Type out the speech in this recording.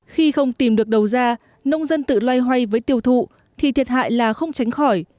khi không tìm được đầu ra nông dân tự loay hoay với tiêu thụ thì thiệt hại là không tránh khỏi